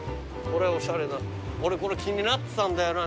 これおしゃれな俺これ気になってたんだよな。